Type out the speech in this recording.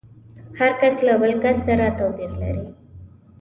هر کس له بل سره توپير لري.